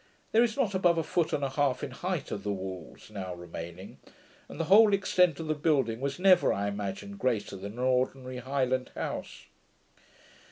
There is not above a foot and a half in height of the walls now remaining; and the whole extent of the building was never, I imagine, greater than an ordinary Highland house.